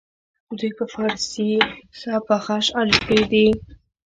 دوی په فارسي ښه پاخه اشعار لیکلي دي.